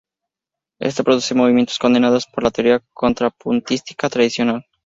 Esto produce movimientos condenados por la teoría contrapuntística tradicional.